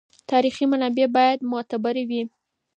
تاریخي منابع باید معتبر وي.